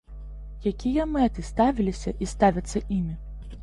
Якія мэты ставіліся і ставяцца імі?